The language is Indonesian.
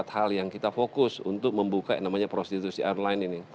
empat hal yang kita fokus untuk membuka yang namanya prostitusi online ini